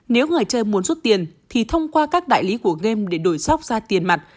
nếu người chơi muốn rút tiền thì thông qua các đại lý của game để đổi sốc ra tiền mặt